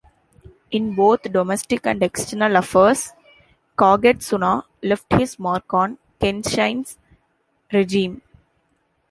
In both domestic and external affairs, Kagetsuna left his mark on Kenshin's regime.